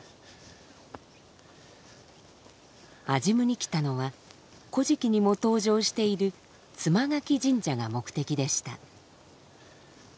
安心院に来たのは「古事記」にも登場している妻垣神社が目的でした。